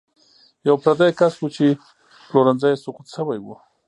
یو پردی کس و چې پلورنځی یې سقوط شوی و.